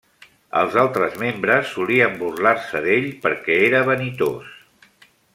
Els altres membres solien burlar-se d'ell perquè era vanitós.